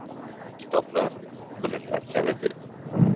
• Kitoblar ― bilimlar kaliti.